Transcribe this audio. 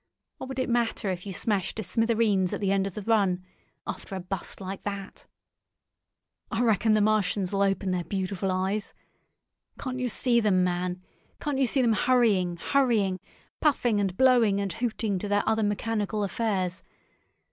What would it matter if you smashed to smithereens at the end of the run, after a bust like that? I reckon the Martians'll open their beautiful eyes! Can't you see them, man? Can't you see them hurrying, hurrying—puffing and blowing and hooting to their other mechanical affairs?